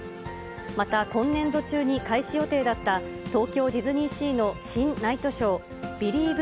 また、今年度中に開始予定だった東京ディズニーシーの新ナイトショー、ビリーヴ！